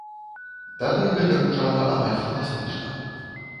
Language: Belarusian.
Тады гэта гучала амаль фантастычна.